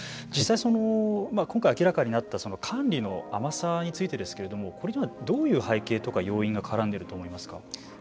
実際、今回明らかになった管理の甘さについてですけれどもどういう背景とか要因が絡んでいると思いますか。